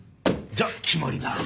じゃあ決まりだ。